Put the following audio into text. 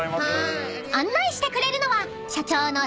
［案内してくれるのは］